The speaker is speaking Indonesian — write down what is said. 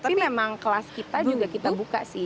tapi memang kelas kita juga kita buka sih